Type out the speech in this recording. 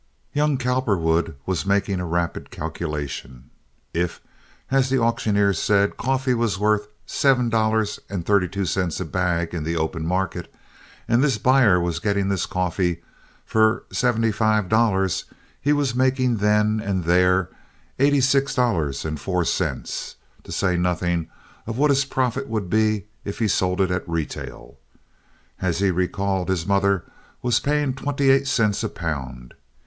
Young Cowperwood was making a rapid calculation. If, as the auctioneer said, coffee was worth seven dollars and thirty two cents a bag in the open market, and this buyer was getting this coffee for seventy five dollars, he was making then and there eighty six dollars and four cents, to say nothing of what his profit would be if he sold it at retail. As he recalled, his mother was paying twenty eight cents a pound.